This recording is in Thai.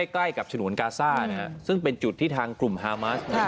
ใกล้กับฉนวนกาซ่าซึ่งเป็นจุดที่ทางกลุ่มฮามัส